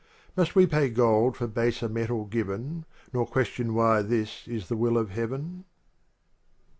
Must we pay £old for baser metal given, Nor question why this is the will of heaven